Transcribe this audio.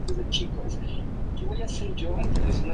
A su regreso, fue maestro de la Escuela Nacional Preparatoria.